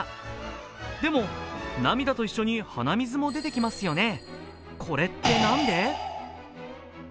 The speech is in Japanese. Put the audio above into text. でも、涙と一緒に鼻水も出てきますよね、これってなんで？